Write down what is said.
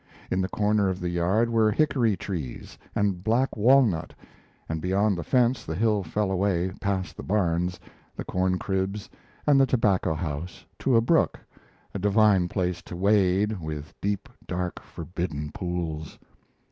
In the corner of the yard were hickory trees, and black walnut, and beyond the fence the hill fell away past the barns, the corn cribs, and the tobacco house to a brook a divine place to wade, with deep, dark, forbidden pools.